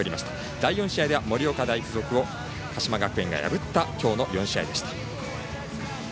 第４試合では盛岡大付属を鹿島学園が破ったきょうの４試合でした。